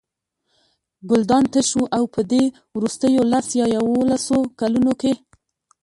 ګلدان تش و او په دې وروستیو لس یا یوولسو کلونو کې.